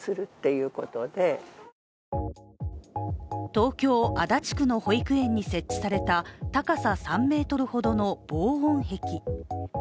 東京・足立区の保育園に設置された高さ３ｍほどの、防音壁。